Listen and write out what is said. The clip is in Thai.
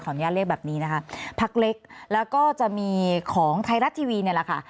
อนุญาตเรียกแบบนี้นะคะพักเล็กแล้วก็จะมีของไทยรัฐทีวีเนี่ยแหละค่ะ